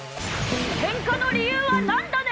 ケンカの理由はなんだね！